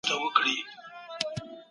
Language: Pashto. ملتونه د نویو تړونونو په متن کي څه شاملوي؟